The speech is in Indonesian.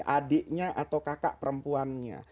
adiknya atau kakak perempuannya